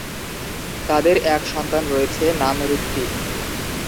তাদের এক সন্তান রয়েছে, নাম ঋত্বিক।